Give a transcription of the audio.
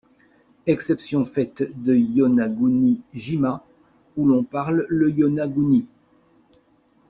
Exception faite de Yonaguni-jima, où l'on parle le yonaguni.